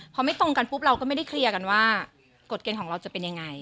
พอไม่ตรงกันปุ๊บเราก็ไม่ได้เคลียร์กันว่ากฎเกณฑ์ของเราจะเป็นยังไง